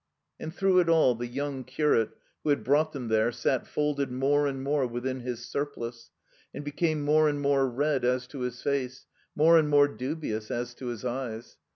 And through it all the yotmg curate who had brought them there sat folded more and more within his surplice, and became more and more red as to his face, more and more dubious as to his eyes.